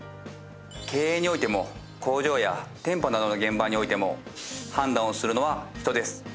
経営においても工場や店舗などの現場においても判断をするのは人です。